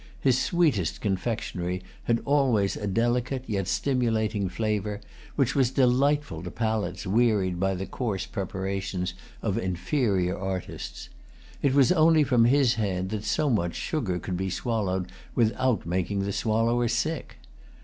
His sweetest confectionery had always a delicate, yet stimulating flavor, which was delightful to palates wearied by the coarse preparations of inferior artists. It was only from his hand that so much sugar could be swallowed without making the swallower sick.